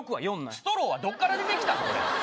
ストローはどこから出てきたん、これ。